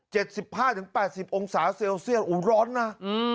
สิบห้าถึงแปดสิบองศาเซลเซียสอู้ร้อนนะอืม